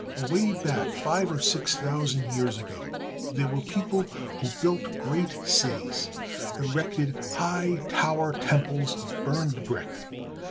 Away back five or six thousand years ago there were people who built great cities, erected high tower temples of burned brick.